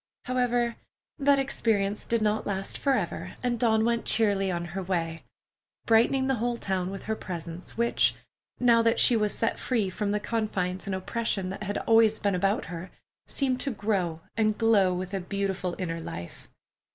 However, that experience did not last forever and Dawn went cheerily on her way, brightening the whole town with her presence, which, now that she was set free from the confines and oppression that had always been about her, seemed to grow and glow with a beautiful inner life.